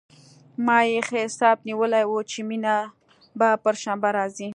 ما يې ښه حساب نيولى و چې مينه به پر شنبه راځي.